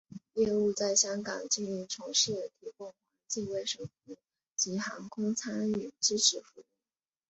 业务在香港经营从事提供环境卫生服务及航空餐饮支持服务。